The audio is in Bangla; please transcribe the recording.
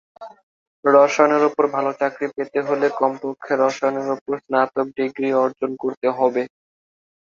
রসায়নের উপর ভালো চাকরি পেতে হলে কমপক্ষে রসায়নের উপর স্নাতক ডিগ্রি অর্জন করতে হবে।